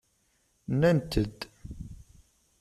Nnant-d.